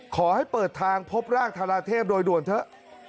ขอให้เปิดทางพบร่างทาราเทพโดยด่วนเถอะ